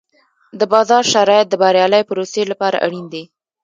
د بازار شرایط د بریالۍ پروسې لپاره اړین دي.